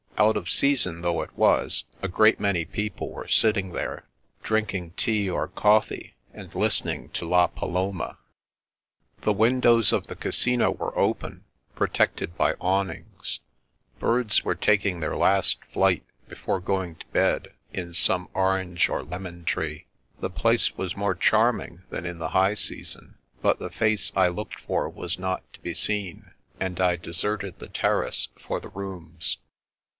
Out of season though it was, a great many people were sitting there, drinking tea or coffee, and listening to " La Paloma." The windows of the Casino were open, pro tected by awnings; birds were taking their last flight, before going to bed in some orange or lemon tree. The place was more charming than in the high season ; but the face I looked for was not to be seen, and I deserted the Terrace for the Rooms.